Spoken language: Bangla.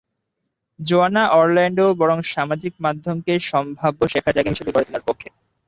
জোয়ানা অরল্যান্ডো বরং সামাজিক মাধ্যমকেই সম্ভাব্য শেখার জায়গা হিসেবে গড়ে তোলার পক্ষে।